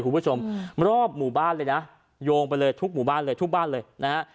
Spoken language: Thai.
คุณผู้ชมรอบหมู่บ้านเลยนะโยงไปเลยทุกหมู่บ้านเลยทุกบ้านเลยนะฮะ